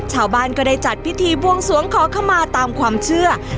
ชาวบ้านก็ได้จัดพิธีบวงสวงขอขมาตามความเชื่อ